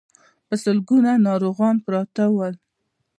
په سلګونو ناروغان پراته ول.